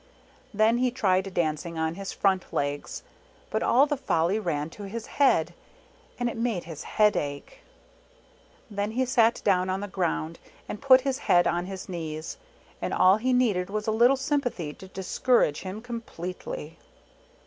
Then he tried dancing on his front legs, but all the folly ran to his head, and it made his head ache. Then he sat down on the ground, and put his head on his knees; and all he needed was a little sympathy to discourage him completely.